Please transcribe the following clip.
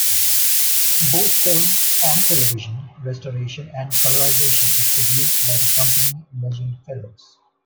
Both film and television restoration and colorization is produced by the company Legend Films.